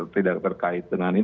tidak terkait dengan ini